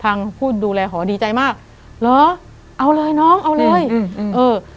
ทางผู้ดูแลหอดีใจมากเหรอเอาเลยน้องเอาเลยอืมเออ